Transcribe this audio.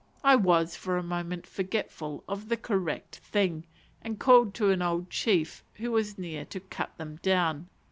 I was for a moment forgetful of the "correct" thing, and called to an old chief, who was near, to cut them down.